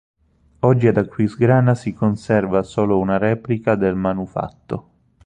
Oggi ad Aquisgrana si conserva solo una replica del manufatto.